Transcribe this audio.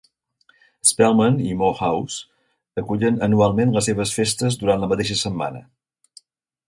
Spelman i Morehouse acullen anualment les seves festes durant la mateixa setmana.